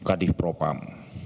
dan kadih propam